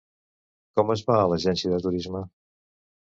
Com es va a l'agència de turisme?